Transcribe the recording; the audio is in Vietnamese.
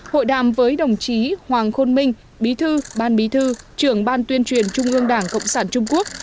hội đàm với đồng chí hoàng khôn minh bí thư ban bí thư trưởng ban tuyên truyền trung ương đảng cộng sản trung quốc